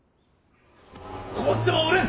こうしてはおれん！